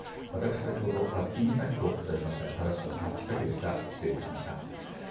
私、先ほど龍飛岬とお伝えしましたが、正しくは龍飛崎でした、失礼いたしました。